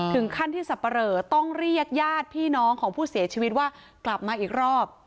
ถึงขั้นที่สับปะเหลอต้องเรียกญาติพี่น้องของผู้เสียชีวิตว่ากลับมาอีกรอบ